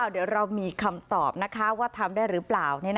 เดี๋ยวเรามีคำตอบว่าทำได้หรือเปล่า